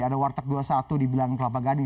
ada warteg dua puluh satu di bilangan kelapa gading